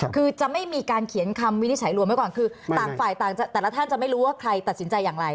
คือจะไม่มีการเขียนคำวินิจฉัยรวมไม่กว่าคือแต่ละท่านจะไม่รู้ว่าใครตัดสินใจอย่างไร